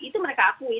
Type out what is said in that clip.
itu mereka akui